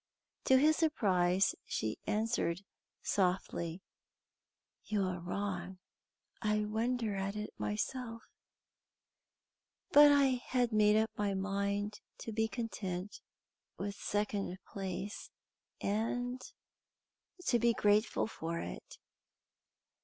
To his surprise, she answered softly: "You are wrong. I wonder at it myself, but I had made up my mind to be content with second place, and to be grateful for it."